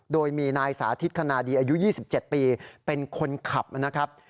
โดยมีนายสาธิตคณาดีอายุ๒๗ปีเป็นคนขับนะครับ